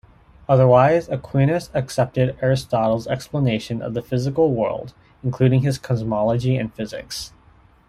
Otherwise, Aquinas accepted Aristotle's explanation of the physical world, including his cosmology and physics.